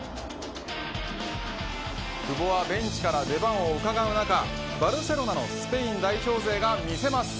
久保はベンチから出番をうかがう中バルセロナのスペイン代表勢が見せます。